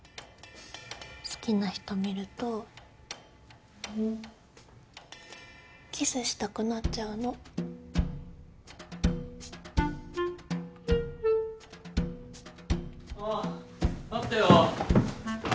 好きな人見るとキスしたくなっちゃうのあああったよ